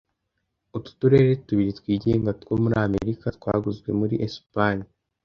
Utu turere tubiri twigenga two muri Amerika twaguzwe muri Esipanye